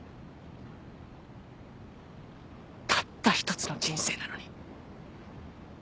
たった一つの人生なのに。